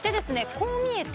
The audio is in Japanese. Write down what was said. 「こう見えて」？